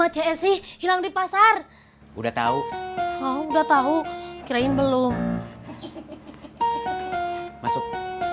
bos apa macet sih hilang di pasar udah tahu kau udah tahu kirain belum masuk